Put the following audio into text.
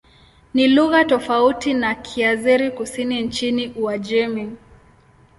Ni lugha tofauti na Kiazeri-Kusini nchini Uajemi.